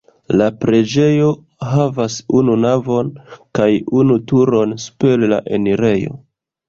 La preĝejo havas unu navon kaj unu turon super la enirejo.